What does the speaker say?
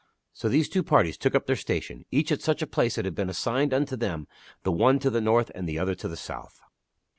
So these two parties took up their station, each at such a place as had been assigned unto them the one to the north and the other to the south.